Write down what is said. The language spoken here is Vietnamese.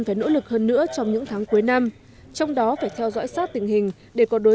phải nỗ lực hơn nữa trong những tháng cuối năm trong đó phải theo dõi sát tình hình để có đối